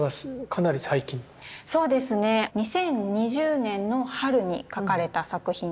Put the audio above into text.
２０２０年の春に描かれた作品です。